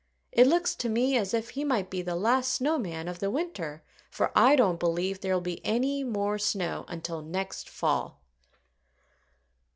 It looks to me as if he might be the last snow man of the winter, for I don't believe there'll be any more snow until next fall."